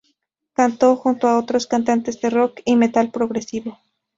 Cantó junto a otros cantantes de rock y metal progresivo.